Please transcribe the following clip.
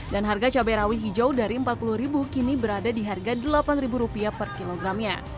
dan harga cabai rawit hijau dari empat puluh kini berada di harga delapan ribu rupiah per kilogramnya